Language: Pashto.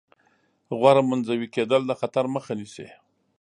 غوره منزوي کېدل د خطر مخه نیسي.